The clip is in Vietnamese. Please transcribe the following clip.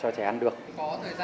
có thời gian thì phải ngồi